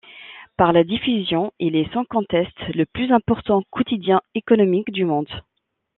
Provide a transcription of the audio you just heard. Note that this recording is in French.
Par la diffusion, il est sans conteste le plus important quotidien économique du monde.